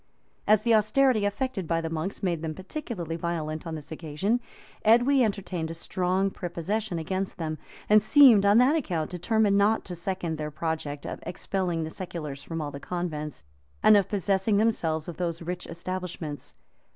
] As the austerity affected by the monks made them particularly violent on this occasion, Edwy entertained a strong prepossession against them; and seemed, on that account, determined not to second their project of expelling the seculars from all the convents, and of possessing themselves of those rich establishments.